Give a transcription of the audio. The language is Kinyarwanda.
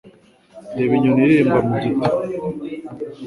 Reba inyoni iririmba mu giti.